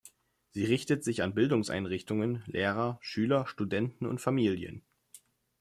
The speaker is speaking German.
Sie richtet sich an Bildungseinrichtungen, Lehrer, Schüler, Studenten und Familien.